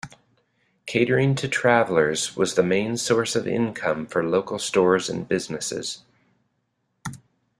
Catering to travelers was the main source of income for local stores and businesses.